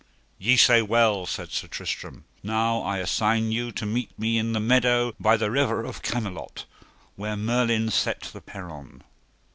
Ye say well, said Sir Tristram, now I assign you to meet me in the meadow by the river of Camelot, where Merlin set the peron.